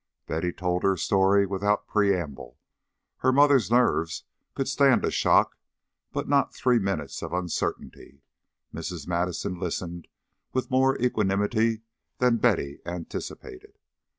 Betty told her story without preamble. Her mother's nerves could stand a shock, but not three minutes of uncertainty. Mrs. Madison listened with more equanimity than Betty anticipated.